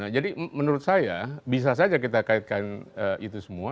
jadi menurut saya bisa saja kita mengaitkan itu semua